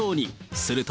すると。